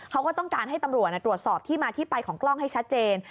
เขาก็ต้องการให้ตำรวจตรวจสอบที่มาที่ไปของกล้องให้ชัดเจน